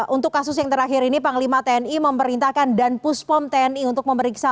untuk kasus yang terakhir ini panglima tni memerintahkan dan puspom tni untuk memeriksa